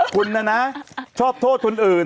คุณนะนะชอบโทษคนอื่น